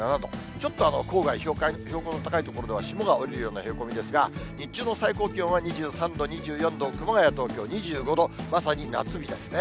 ちょっと郊外、標高の高い所では霜が降りるような冷え込みですが、日中の最高気温は２３度、２４度、熊谷、東京２５度、まさに夏日ですね。